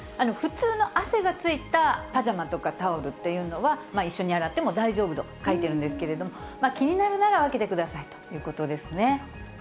普通の汗がついたパジャマとかタオルっていうのは、いっしょに洗っても大丈夫と書いてるんですけれども、気になるなら分けてくださいということですね。